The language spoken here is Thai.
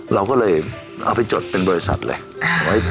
เราก็เลยเอาไปจดเป็นบริษัทเลย